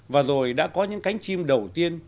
và rồi đã có những cánh chim đầu tiên